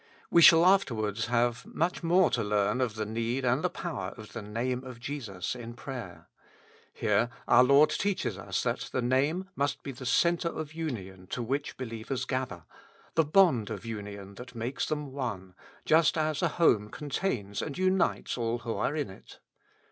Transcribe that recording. We shall afterwards have much more to learn of the need and the power of the Name of Jesus in prayer ; here our Lord teaches us that the Name must be the centre of union to which believers gather, the bond of union that makes them one, just as a home contains and unites all who are in it.